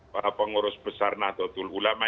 para pengurus besar nahdlatul ulama